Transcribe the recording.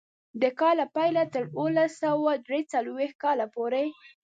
د کار له پیله تر اوولس سوه درې څلوېښت کاله پورې.